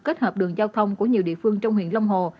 kết hợp đường giao thông của nhiều địa phương trong huyện long hồ